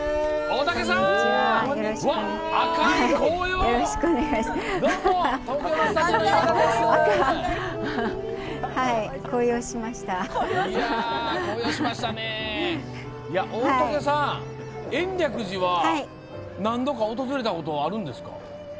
大竹さん、延暦寺は何度か訪れたことあるんですか？